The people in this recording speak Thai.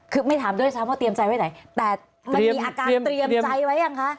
คือไม่ถามด้วยซ้ำว่าเตรียมใจไว้ไหนแต่มันมีอาการเตรียมใจไว้ยังคะ